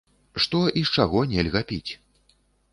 Што і з чаго нельга піць?